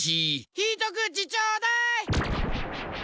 ひとくちちょうだい。